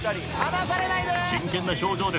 真剣な表情です。